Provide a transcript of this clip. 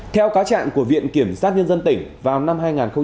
theo cá trạng của viện kiểm sát nhân dân tỉnh vào năm hai nghìn một mươi một